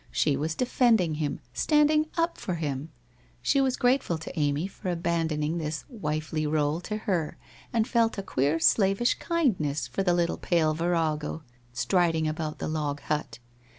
She was defending him, standing up for him ! She was grate ful to Amy for abandoning this wifely role to her and felt a queer slavish kindness for the little pale virago striding about the log hut.